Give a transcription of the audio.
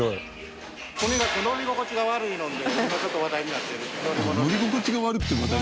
とにかく乗り心地が悪いので今ちょっと話題になってる乗り物になります。